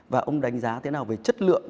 và ông đánh giá thế nào về chất lượng